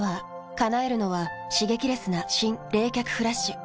叶えるのは刺激レスな新・冷却フラッシュ。